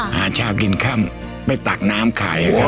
หาชาวกินข้ำไปตักน้ำขาย